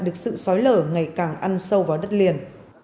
được sự xói lở ngày càng ăn sâu vào đất liền